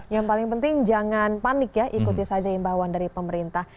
yang paling penting jangan panik ya ikuti saja imbauan dari pemerintah